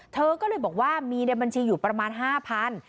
เธอก็เลยบอกว่ามีในบัญชีอยู่ประมาณ๕๐๐บาท